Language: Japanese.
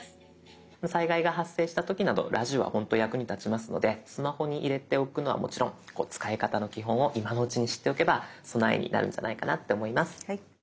災害が発生した時などラジオはほんと役に立ちますのでスマホに入れておくのはもちろん使い方の基本を今のうちに知っておけば備えになるんじゃないかなって思います。